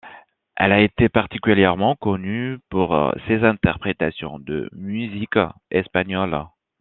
Elle a été particulièrement connue pour ses interprétations de musique espagnole.